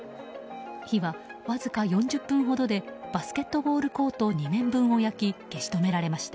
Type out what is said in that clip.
火はわずか４０分ほどでバスケットボールコート２面分を焼き消し止められました。